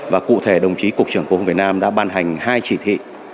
và cụ thể đồng chí cục trưởng cục việt nam đã ban hành hai chỉ thị